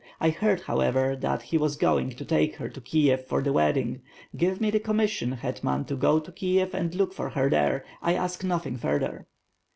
I heard, however, that he was going to take her to Kiev for the wedding. Give me the commission, hetman, to go to Kiev and look for her there. I ask nothing further.''